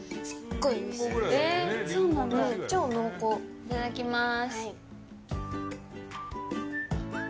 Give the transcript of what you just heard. いただきます。